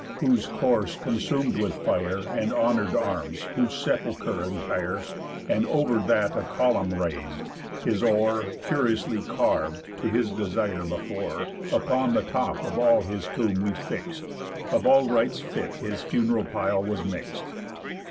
Whose corse consum'd with fire, And honour'd arms, whose sepulchre entire, And over that a column rais'd, his oar, Curiously carv'd, to his desire before, Upon the top of all his tomb we fix'd. Of all rites fit his funeral pile was mix'd.